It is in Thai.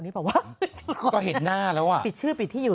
ปิดชื่อปิดที่อยู่